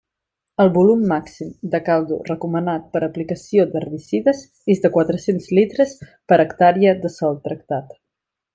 El volum màxim de caldo recomanat per a aplicació d'herbicides és de quatre-cents litres per hectàrea de sòl tractat.